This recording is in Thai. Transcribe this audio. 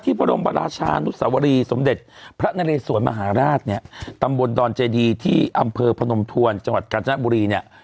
พระบรมราชานุสวรีสมเด็จพระนเรสวนมหาราชเนี่ยตำบลดอนเจดีที่อำเภอพนมทวนจังหวัดกาญจนบุรีเนี่ย